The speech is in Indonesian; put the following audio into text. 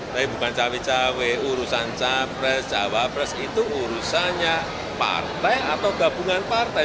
tapi bukan cawe cawe urusan capres cawapres itu urusannya partai atau gabungan partai